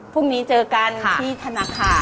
พรุ่งนี้เจอกันที่ธนาคาร